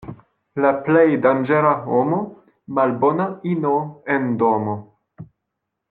La plej danĝera homo — malbona ino en domo.